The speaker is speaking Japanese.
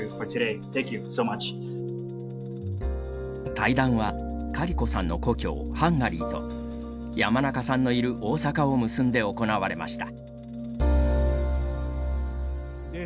対談はカリコさんの故郷ハンガリーと山中さんのいる大阪を結んで行われました。